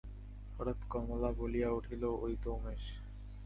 হঠাৎ কমলা বলিয়া উঠিল, ঐ তো উমেশ!